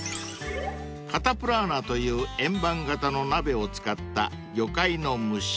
［カタプラーナという円盤形の鍋を使った魚介の蒸し煮］